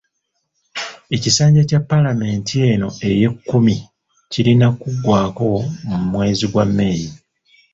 Ekisanja kya paalamenti eno ey'e kkumi kirina kuggwako mu mwezi gwa May.